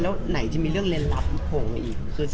แล้วไหนจะมีเรื่องเรียนลับอีก